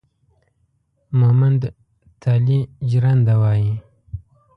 مومند تالي جرنده وايي